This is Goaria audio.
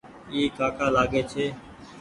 اي ڪآڪآ لآگي ڇي۔